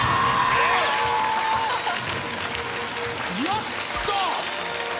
やった！